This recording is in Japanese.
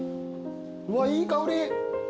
うわっいい香り。